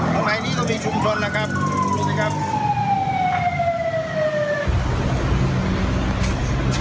ข้างในนี้ต้องมีชุมทนละครับดูสิครับ